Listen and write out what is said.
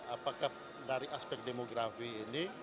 apakah dari aspek demografi ini